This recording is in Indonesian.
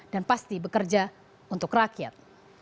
dan pasti bekerja untuk rakyat